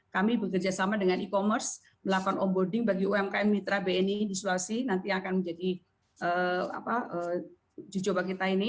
kami bekerjasama dengan e commerce melakukan ongboarding bagi umkm mitra bni di sulawesi nanti akan menjadi jucoba kita ini